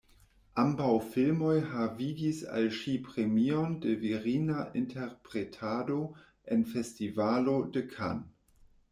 Ambaŭ filmoj havigis al ŝi premion de virina interpretado en Festivalo de Cannes.